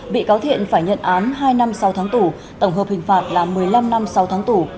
bị cáo thiện phải nhận án hai năm sau tháng tù tổng hợp hình phạt là một mươi năm năm sau tháng tù